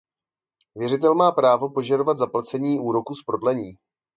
Věřitel má právo požadovat zaplacení úroku z prodlení.